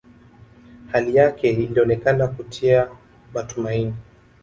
Hali yake ilionekana kutia matumaini